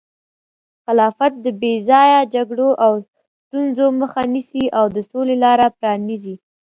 خلافت د بې ځایه جګړو او ستونزو مخه نیسي او د سولې لاره پرانیزي.